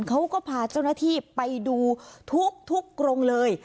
เขาก็พาเจ้าหน้าที่ไปดูทุกกรงเลย